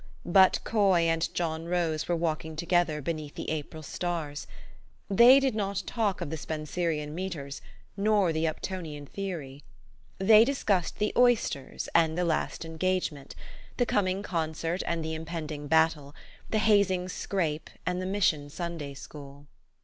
But Coy and John Rose were walking together oeneath the April stars. They did not talk of the Spenserian metres, nor the Uptonian theory. They 26 THE STORY OF AVIS. discussed the oysters and the last engagement, the coming concert and the impending battle, the hazing scrape, and the Mission Sunday school.